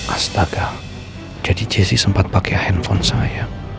astaga jadi jessy sempet pake handphone saya